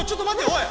おい！